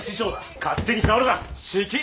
勝手に触るな！指揮？